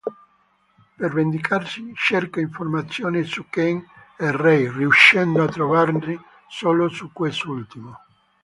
Per vendicarsi, cerca informazioni su Ken e Rei riuscendo a trovarne solo su quest'ultimo.